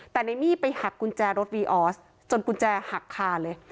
แต่ในมี่ไปหักกุญแจรถวีออสจนกุญแจหักคาเลย